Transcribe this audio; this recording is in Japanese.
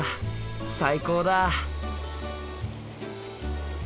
最高だ！